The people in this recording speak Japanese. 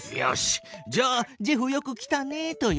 じゃあ「ジェフよく来たね」と言う。